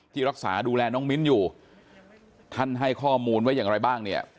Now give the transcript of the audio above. รักษาดูแลน้องมิ้นอยู่ท่านให้ข้อมูลว่าอย่างไรบ้างเนี่ย